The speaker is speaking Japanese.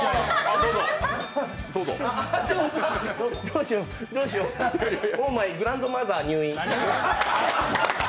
どうしよう、どうしようオーマイ・グランドマザー入院。